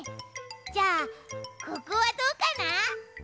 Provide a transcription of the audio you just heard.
じゃあここはどうかな？